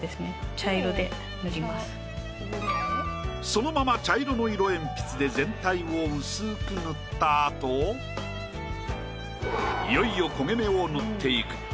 そのまま茶色の色鉛筆で全体を薄く塗ったあといよいよ焦げ目を塗っていく。